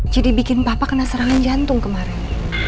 jadi bikin papa kena serangan jantung kemarin